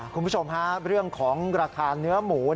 คุณผู้ชมฮะเรื่องของราคาเนื้อหมู